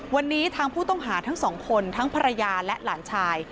วันนี้ทางผู้ต้องหาทั้งสองคนทั้งภรรยาและหลานชาย